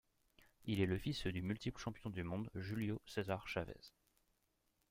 Il est le fils du multiple champion du monde Julio César Chávez.